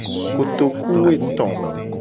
Kotokuwoeto.